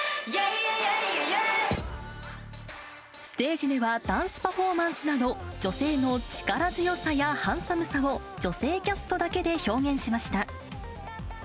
ステージではダンスパフォーマンスなど、女性の力強さやハンサムさを女性キャストだけで表現しました。